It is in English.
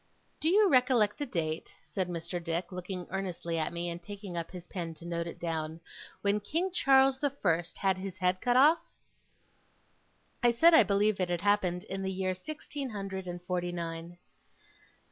'Do you recollect the date,' said Mr. Dick, looking earnestly at me, and taking up his pen to note it down, 'when King Charles the First had his head cut off?' I said I believed it happened in the year sixteen hundred and forty nine.